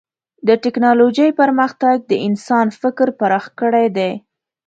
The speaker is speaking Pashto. د ټکنالوجۍ پرمختګ د انسان فکر پراخ کړی دی.